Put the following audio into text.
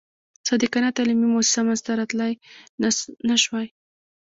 صادقانه تعلیمي موسسه منځته راتلای نه شوای.